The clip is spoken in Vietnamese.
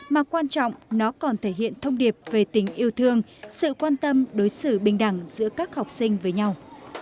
mà quan trọng nó còn thể hiện thông điệp về tình yêu thương sự quan tâm đối xử bình đẳng giữa các học sinh với nhau